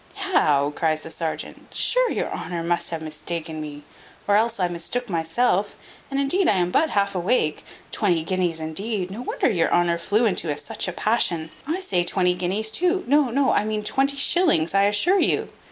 "How!" cries the serjeant, "sure your honour must have mistaken me: or else I mistook myself and indeed I am but half awake. Twenty guineas, indeed! no wonder your honour flew into such a passion. I say twenty guineas too. No, no, I mean twenty shillings, I assure you.